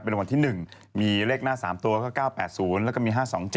เป็นวันนที่หนึ่งมีเลขหน้า๓ตัวแล้วก็๙๘๐แล้วก็มี๕๒๗